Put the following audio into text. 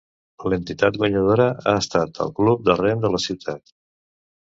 L'entitat guanyadora ha estat el Club de Rem de la ciutat.